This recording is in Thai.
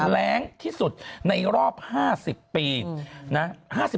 แรงที่สุดในรอบ๕๐ปีนะ